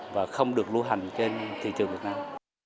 và không được lưu hành trên thị trường việt nam